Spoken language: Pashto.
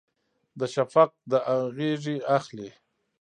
د شفق د غیږې اخلي